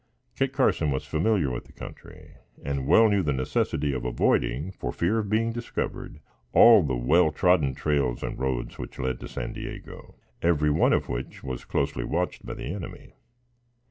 Kit Carson was familiar with the country, and well knew the necessity of avoiding, for fear of being discovered, all the well trodden trails and roads which led to San Diego, every one of which was closely watched by the enemy.